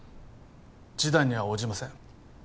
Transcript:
示談には応じません